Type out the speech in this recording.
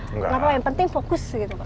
enggak apa yang penting fokus gitu pak